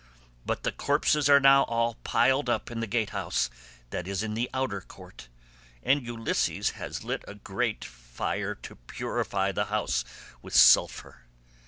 But the corpses are now all piled up in the gatehouse that is in the outer court, and Ulysses has lit a great fire to purify the house with sulphur.